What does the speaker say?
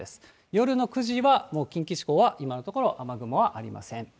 夜の９時は、もう近畿地方は今のところ雨雲はありません。